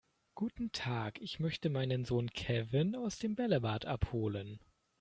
Guten Tag, ich möchte meinen Sohn Kevin aus dem Bällebad abholen.